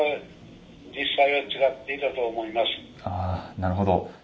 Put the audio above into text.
あなるほど。